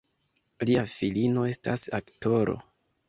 Lia filino estas aktoro.